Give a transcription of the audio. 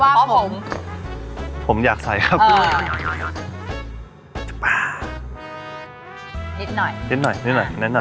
เพราะว่าผมผมอยากใส่ครับเออนิดหน่อยนิดหน่อยนิดหน่อย